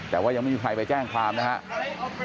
แต่ว่ายังไม่มีใครไปแจ้งความนะครับ